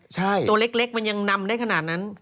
ใช่ตัวเล็กมันยังนำได้ขนาดนั้น